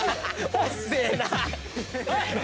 おっせえな！